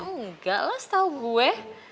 enggak lah setau gue